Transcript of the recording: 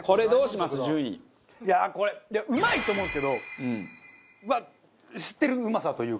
いやあこれうまいと思うんですけど知ってるうまさというか。